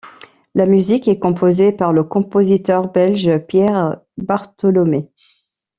La musique est composée par le compositeur belge Pierre Bartholomée.